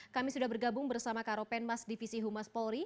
kami sudah bergabung bersama karopenmas divisi humas polri